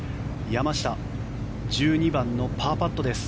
山下１２番のパーパットです。